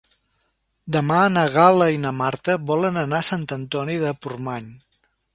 Demà na Gal·la i na Marta volen anar a Sant Antoni de Portmany.